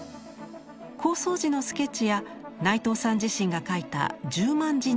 構想時のスケッチや内藤さん自身が書いた１０万字に及ぶ解説。